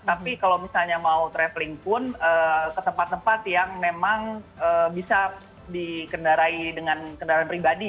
tapi kalau misalnya mau traveling pun ke tempat tempat yang memang bisa dikendarai dengan kendaraan pribadi